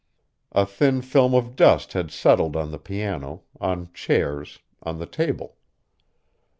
A thin film of dust had settled on the piano, on chairs, on the table.